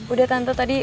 udah tante tadi